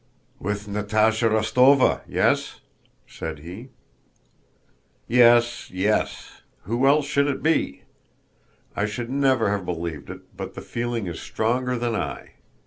"With Natásha Rostóva, yes?" said he. "Yes, yes! Who else should it be? I should never have believed it, but the feeling is stronger than I.